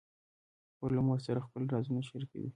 خور له مور سره خپل رازونه شریکوي.